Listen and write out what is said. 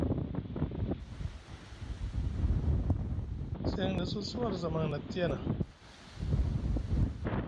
Seŋ na sosi war zamaŋ na tiyana.